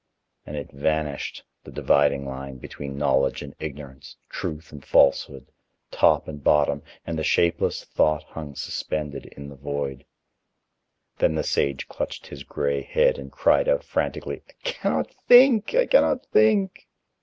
And it vanished, the dividing line between knowledge and ignorance, truth and falsehood, top and bottom, and the shapeless thought hung suspended in the void. Then the sage clutched his gray head and cried out frantically: "I cannot think! I cannot think!"